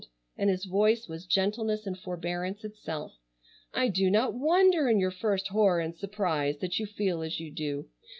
and his voice was gentleness and forbearance itself. "I do not wonder in your first horror and surprise that you feel as you do.